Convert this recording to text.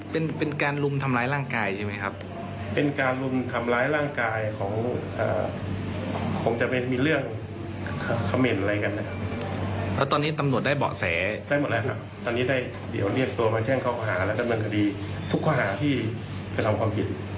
ตอนนี้ได้เรียกตัวมาแช่งเขาขอหาและดำเนินคดีทุกขอหาที่จะทำความผิด